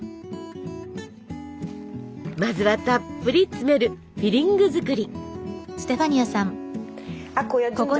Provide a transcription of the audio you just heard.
まずはたっぷり詰めるフィリング作り。